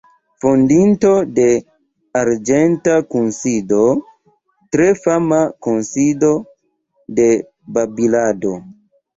Fondinto de „Arĝenta Kunsido";, tre fama kunsido de babilado.